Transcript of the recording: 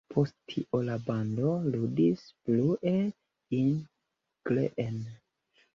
Post tio la bando ludis „Blue in Green”.